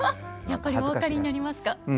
やっぱりお分かりになりますか？